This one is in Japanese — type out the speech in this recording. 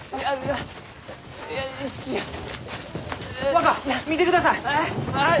若見てください！